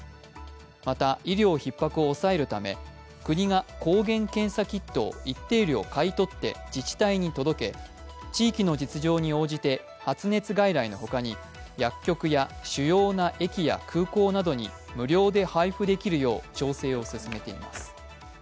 また、医療ひっ迫を抑えるため国が抗原検査キットを一定量買い取って自治体に届け、地域の実情に応じて発熱外来の他に薬局や主要な駅や空港などに無料で配布できるよう調整を進めています。